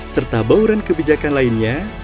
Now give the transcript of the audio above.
serta bauran kebijakan lainnya